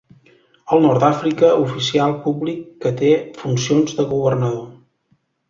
Al nord d'Àfrica, oficial públic que té funcions de governador.